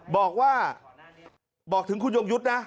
บอกว่าบอกถึงคุณยงยุทธ์นะ